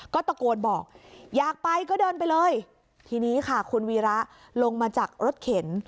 ก็ตะโกนบอกอยากไปก็เดินไปเลยทีนี้ค่ะคุณวีระลงมาจากรถเข็น